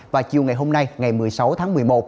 và chiều ngày hôm nay ngày một mươi sáu tháng một mươi một